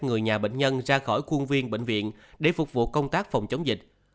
người nhà bệnh nhân ra khỏi khuôn viên bệnh viện để phục vụ công tác phòng chống dịch